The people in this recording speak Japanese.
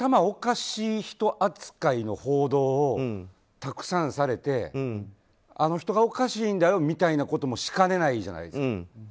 おかしい人扱いの報道をたくさんされて、あの人がおかしいんだよみたいなこともしかねないじゃないですか。